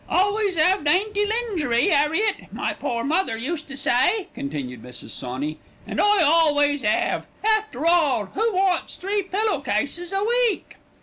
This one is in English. "'Always 'ave dainty linjerry, 'Arriet,' my pore mother used to say," continued Mrs. Sawney, "an' I always 'ave. After all, who wants three pillow cases a week?"